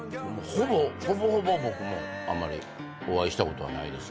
ほぼほぼ僕もあんまりお会いしたことはないですが。